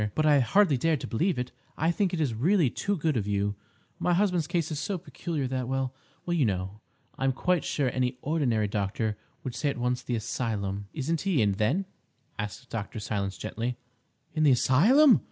"But I hardly dared to believe it. I think it is really too good of you. My husband's case is so peculiar that—well, you know, I am quite sure any ordinary doctor would say at once the asylum—" "Isn't he in, then?" asked Dr. Silence gently. "In the asylum?"